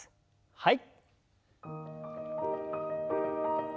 はい。